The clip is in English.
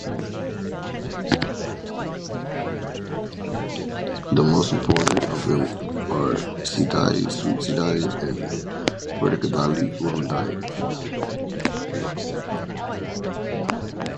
The most important of them are Seedai, Sweet Seedai, Verkadalai Urundai.